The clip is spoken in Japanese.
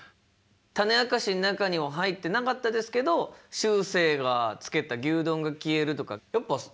種明かしの中には入ってなかったですけどしゅうせいがつけた「牛丼が消える」とかやっぱそうなんですね。